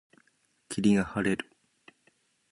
霧が晴れる。